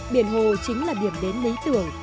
biển hồ chính là điểm đến lý tưởng